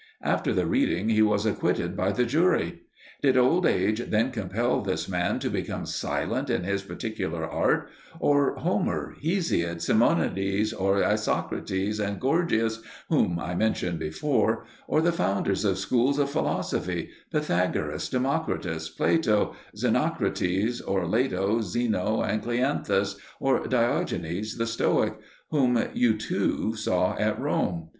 After the reading he was acquitted by the jury. Did old age then compel this man to become silent in his particular art, or Homer, Hesiod, Simonides, or Isocrates and Gorgias whom I mentioned before, or the founders of schools of philosophy, Pythagoras, Democritus, Plato, Xenocrates, or later Zeno and Cleanthus, or Diogenes the Stoic, whom you too saw at Rome?